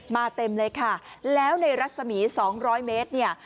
เต็มเลยค่ะแล้วในรัศมี๒๐๐เมตรเนี่ย